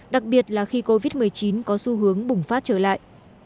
đặc biệt là khi covid một mươi chín có xu hướng bùng phát trở lại